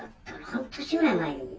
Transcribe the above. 半年ぐらい前に？